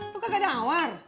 lo kagak ada awal